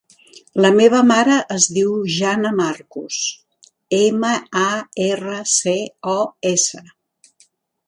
La meva mare es diu Jana Marcos: ema, a, erra, ce, o, essa.